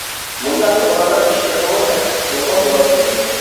مۇنداق قىلغاندا ئىش تېخىمۇ تەرتىپلىك بولغان بولاتتى.